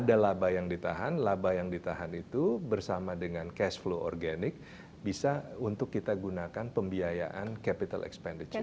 ada laba yang ditahan laba yang ditahan itu bersama dengan cash flow organic bisa untuk kita gunakan pembiayaan capital expenditure